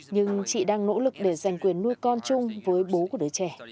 nhưng chị đang nỗ lực để giành quyền nuôi con chung với bố của đứa trẻ